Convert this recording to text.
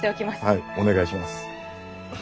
はいお願いします。